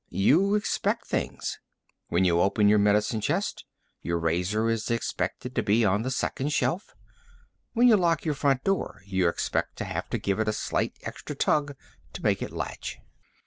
You expect things. When you open your medicine chest, your razor is expected to be on the second shelf; when you lock your front door, you expect to have to give it a slight extra tug to make it latch.